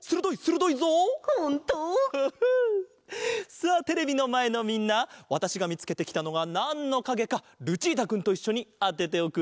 さあテレビのまえのみんなわたしがみつけてきたのがなんのかげかルチータくんといっしょにあてておくれ！